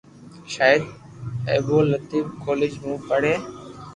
ݾاھ ابدول لتيف ڪوليج مون پڙي